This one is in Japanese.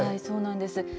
そうなんです。